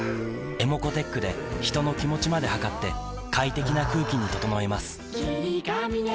ｅｍｏｃｏーｔｅｃｈで人の気持ちまで測って快適な空気に整えます